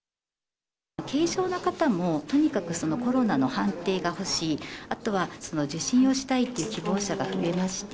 軽症な方も、とにかくそのコロナの判定が欲しい、あとは受診をしたいという希望者が増えまして。